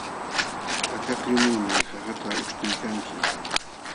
Akakllunuumi qaqata ućhkuykanki.